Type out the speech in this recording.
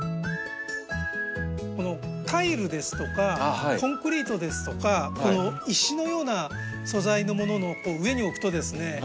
このタイルですとかコンクリートですとかこの石のような素材のものの上に置くとですね